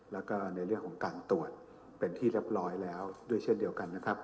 แล้วก็ในเรื่องของการตรวจเป็นที่เรียบร้อยแล้วด้วยเช่นเดียวกันนะครับ